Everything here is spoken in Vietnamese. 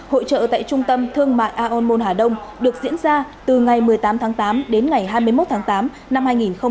hội trợ tại trung tâm thương mại aon mon hà đông được diễn ra từ ngày một mươi tám tháng tám đến ngày hai mươi một tháng tám năm hai nghìn một mươi chín